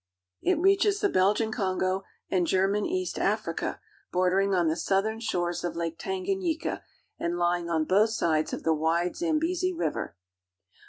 It reaches the Kongo Independent State aiid German East Africa, bordering on the southern shores of Lake Tanganyika, and lying on both sides of the Zambezi River.